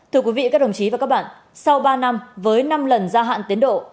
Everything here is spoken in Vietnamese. thưa quý vị các đồng chí và các bạn sau ba năm với năm lần gia hạn tiến độ